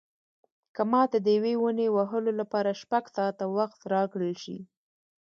که ماته د یوې ونې وهلو لپاره شپږ ساعته وخت راکړل شي.